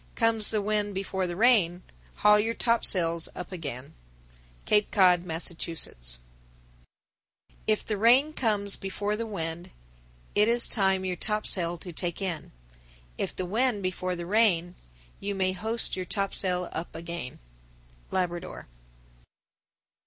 Comes the wind before the rain, Haul your topsails up again. Cape Cod, Mass. 1049. In northerly squalls: If the rain comes before the wind, 'T is time your topsail to take in; If the wind before the rain, You may hoist your topsail up again. _Labrador.